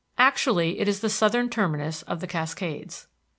Actually it is the southern terminus of the Cascades.